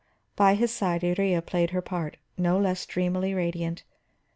By his side Iría played her part, no less dreamily radiant.